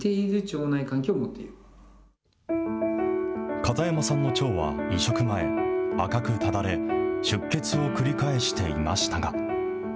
片山さんの腸は移植前、赤くただれ、出血を繰り返していましたが。